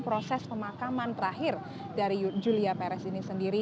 proses pemakaman terakhir dari julia perez ini sendiri